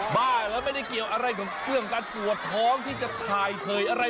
บ้าแล้วไม่ได้เกี่ยวอะไรกับเรื่องการปวดท้องที่จะถ่ายเผยอะไร